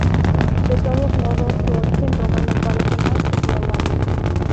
De todos modos, su origen romano parece más que probable.